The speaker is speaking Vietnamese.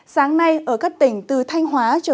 sáng nay ở các tỉnh từ thanh hóa trở vào